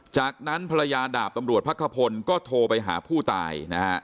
จากนั้นภรรยาดาบตำรวจพักขพลก็โทรไปหาผู้ตายนะฮะ